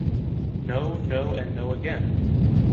No, no and no again!